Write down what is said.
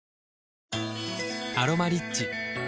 「アロマリッチ」